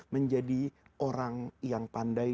menjadi orang yang pandai